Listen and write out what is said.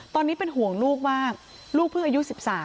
ตอนนี้เป็นห่วงลูกมากลูกเพิ่งอายุ๑๓